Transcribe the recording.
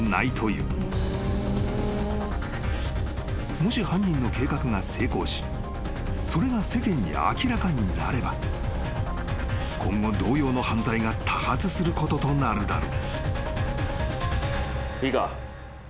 ［もし犯人の計画が成功しそれが世間に明らかになれば今後同様の犯罪が多発することとなるだろう］